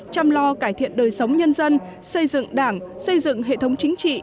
chăm lo cải thiện đời sống nhân dân xây dựng đảng xây dựng hệ thống chính trị